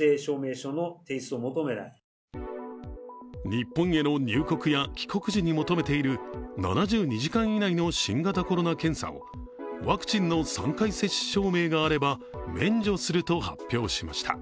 日本への入国や帰国時に求めている７２時間以内の新型コロナ検査をワクチンの３回接種証明があれば免除すると発表しました。